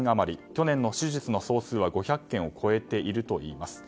去年の手術の総数は５００件を超えています。